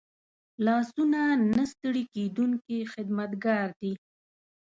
لاسونه نه ستړي کېدونکي خدمتګار دي